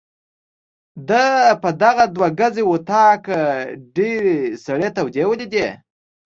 ده په دغه دوه ګزي وطاق ډېرې سړې تودې ولیدې.